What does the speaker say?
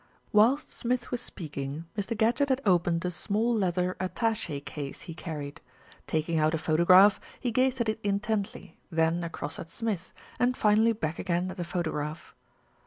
Whilst Smith was speaking, Mr. Gadgett had opened MR. GADGETT PAYS A CALL 243 a small leather attache case he carried. Taking out a photograph, he gazed at it intently, then across at Smith, and finally back again at the photograph.